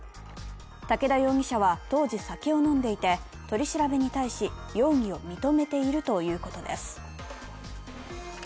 武田容疑者は当時酒を飲んでいて、取り調べに対し、容疑を認めているということです。